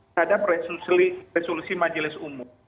terhadap resolusi majelis umum